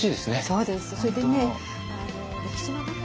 そうですそれでね。